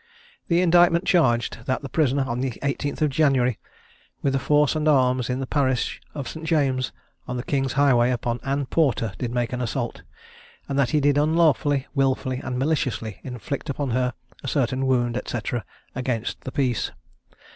The indictment charged that the prisoner, on the 18th of January, with force and arms, in the parish of St. James, on the King's highway upon Anne Porter did make an assault; and that he did unlawfully, wilfully, and maliciously inflict upon her a certain wound, &c. against the peace.